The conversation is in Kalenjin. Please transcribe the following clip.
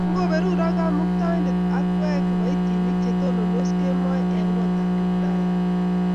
Ngoberurok Kamuktaindet akwek kiboitink che tonondos kemoi eng kotap Kiptayat